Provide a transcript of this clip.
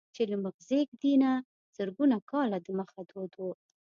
چې له مخزېږدي نه زرګونه کاله دمخه دود و.